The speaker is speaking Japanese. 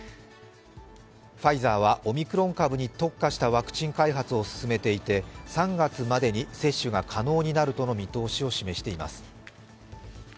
ファイザーはオミクロン株に特化したワクチン開発を進めていて３月までに接種が可能になるとの見通しを示しています。